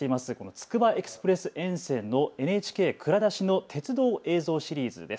つくばエクスプレス沿線のＮＨＫ蔵出しの鉄道映像シリーズです。